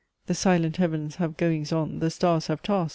The silent Heavens have goings on The stars have tasks!